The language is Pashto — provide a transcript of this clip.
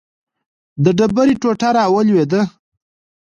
د ډبرې ټوټه راولوېده.